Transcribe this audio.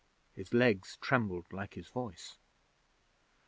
His legs trembled like his voice.